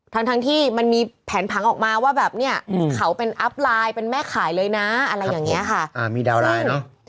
ทั้งทั้งที่มันมีแผนผังออกมาว่าแบบเนี่ยเขาเป็นอัพไลน์เป็นแม่ขายเลยนะอะไรอย่างนี้ค่ะอ่ามีดาวนไลน์เนอะ